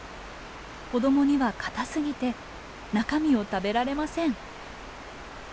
子どもには硬すぎて中身を食べられません。